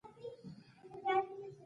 څنګه کولی شم د شیدو کاروبار وکړم